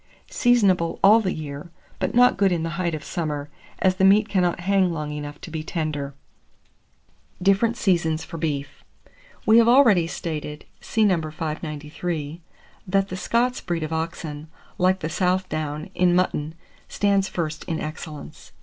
Seasonable all the year, but not good in the height of summer, as the meat cannot hang long enough to be tender. DIFFERENT SEASONS FOR BEEF. We have already stated (see No. 593) that the Scots breed of oxen, like the South down in mutton, stands first in excellence.